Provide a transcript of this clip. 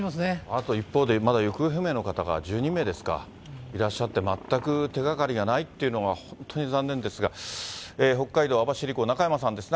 あと一方で、まだ行方不明の方が１２名ですか、いらっしゃって、全く手がかりがないっていうのが、本当に残念ですが、北海道網走港、中山さんです。